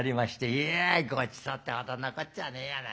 「いやごちそうってほどのこっちゃねえやな。